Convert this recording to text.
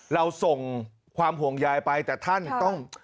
เราส่งความห่วงใยไปแต่ท่านต้อง